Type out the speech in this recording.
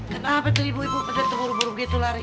kenapa tuh ibu ibu pedet tuh buru buru gitu lari